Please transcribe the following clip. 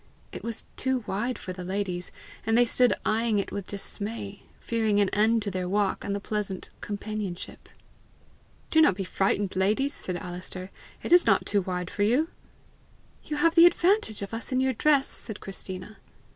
It was too wide for the ladies, and they stood eyeing it with dismay, fearing an end to their walk and the pleasant companionship. "Do not be frightened, ladies," said Alister: "it is not too wide for you." "You have the advantage of us in your dress!" said Christina.